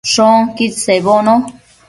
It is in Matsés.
Shoquid sebono